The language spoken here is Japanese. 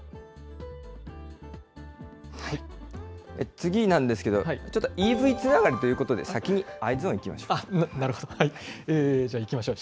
次なんですけど、ちょっとＥＶつながりということで、先にＥｙｅｓｏｎいきましょうか。